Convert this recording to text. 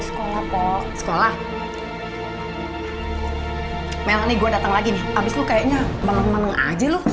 sekolah poh sekolah melani gua datang lagi nih habis lu kayaknya maneng maneng aja lu